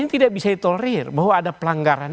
ini tidak bisa ditolerir bahwa ada pelanggaran